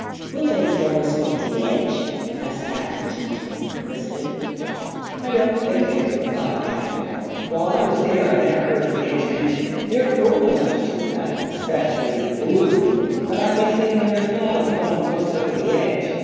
"Will they throw us over the edge?" asked Captain Tintint, nervously. "I don't think it," replied Cap'n Bill. "While I was there I never heard the edge mentioned. They're cruel enough to do that 'specially the Boolooroo but I guess they've never thought o' throwin' folks over the edge.